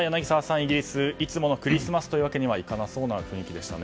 イギリスはいつものクリスマスとはいかなそうな雰囲気でしたね。